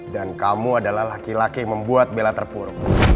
dan kamu adalah laki laki yang membuat bella terpur